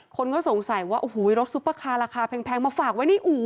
คนก็สงสัยว่าโอ้โหรถซุปเปอร์คาร์ราคาแพงมาฝากไว้ในอู่